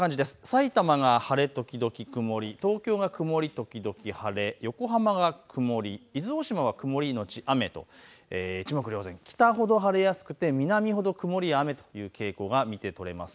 さいたまが晴れ時々曇り、東京が曇り時々晴れ、横浜が曇り、伊豆大島は曇り後雨と、一目瞭然、北ほど晴れやすくて南ほど曇りや雨という傾向が見て取れます。